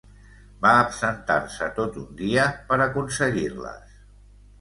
Va absentar-se tot un dia per aconseguir-les.